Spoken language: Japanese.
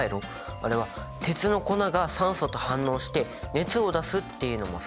あれは鉄の粉が酸素と反応して熱を出すっていうのも酸化だったよね。